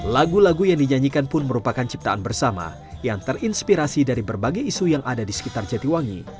lagu lagu yang dinyanyikan pun merupakan ciptaan bersama yang terinspirasi dari berbagai isu yang ada di sekitar jatiwangi